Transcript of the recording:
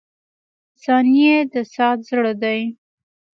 • ثانیې د ساعت زړه دی.